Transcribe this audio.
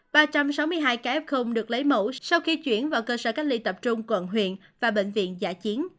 ba trăm sáu mươi hai ca f được lấy mẫu sau khi chuyển vào cơ sở cách ly tập trung quận huyện và bệnh viện giả chiến